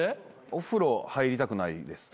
お風呂入りたくないです。